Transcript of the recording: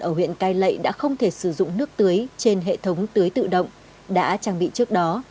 ở huyện cai lệ đã không thể sử dụng nước tưới trên hệ thống tưới tự động đã trang bị trước đó